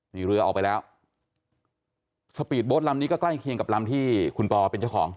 นี่เรือออกไปแล้วสปีดโบ๊ทลำนี้ก็ใกล้เคียงกับลำที่คุณปอเป็นเจ้าของ